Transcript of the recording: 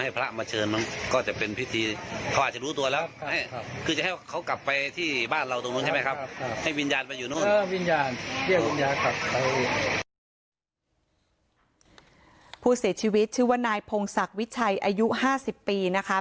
ผู้เสียชีวิตชื่อว่านายพงศักดิ์วิชัยอายุ๕๐ปีนะคะ